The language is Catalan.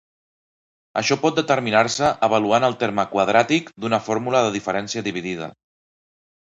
Això pot determinar-se avaluant el terme quadràtic d'una fórmula de diferència dividida.